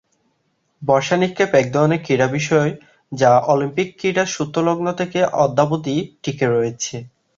বর্শা নিক্ষেপ এক ধরনের ক্রীড়া বিষয় যা অলিম্পিক ক্রীড়ার সূচনালগ্ন থেকে অদ্যাবধি টিকে রয়েছে।